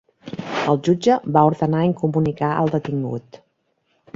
El jutge va ordenar incomunicar el detingut.